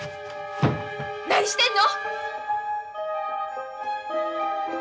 何してんの！？